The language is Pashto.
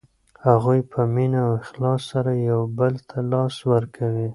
هغوی په مینه او اخلاص سره یو بل ته لاس ورکوي.